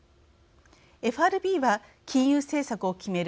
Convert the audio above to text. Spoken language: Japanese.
ＦＲＢは、金融政策を決める